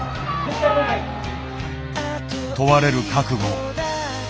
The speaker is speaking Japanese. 問われる覚悟。